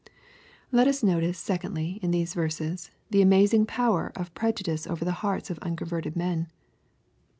Let us notice, secondly, in these verses, the amazing power of prejudice over the hearts of unconverted men.